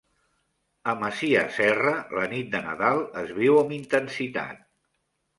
A Masia Serra, la nit de Nadal es viu amb intensitat.